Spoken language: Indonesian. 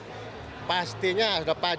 ppersonal nilai ini mengatakanad kosar auch logis